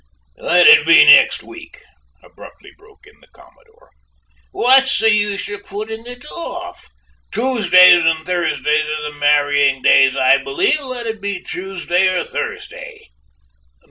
"Let it be next week," abruptly broke in the commodore. "What's the use of putting it off? Tuesdays and Thursdays are the marrying days, I believe; let it then be Tuesday or Thursday."